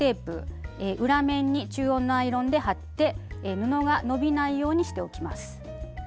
裏面に中温のアイロンで貼って布が伸びないようにしておきます。